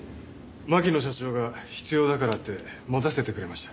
牧野社長が必要だからって持たせてくれました。